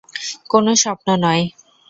কোনো স্বপ্ন নয়।